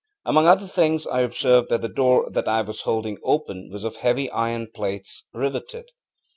Among other things, I observed that the door that I was holding open was of heavy iron plates, riveted.